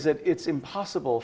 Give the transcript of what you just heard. kita dapat memperoleh